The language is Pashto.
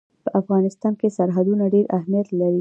په افغانستان کې سرحدونه ډېر اهمیت لري.